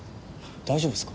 大丈夫っすか？